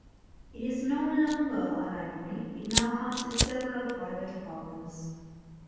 It is no longer a library, it now houses several private apartments.